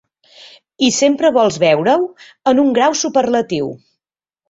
I sempre vols veure-ho en un grau superlatiu.